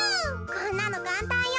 こんなのかんたんよ。